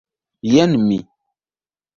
Jen mi!